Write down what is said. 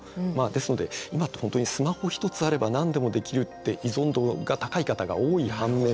ですので今って本当にスマホ１つあれば何でもできるって依存度が高い方が多い反面